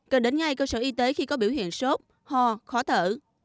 cần đến ngay cơ sở y tế khi có biểu hiện sốt ho khó thở